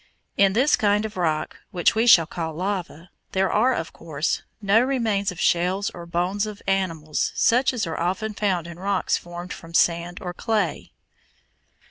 In this kind of rock, which we shall call lava, there are, of course, no remains of shells or bones of animals such as are often found in rocks formed from sand or clay.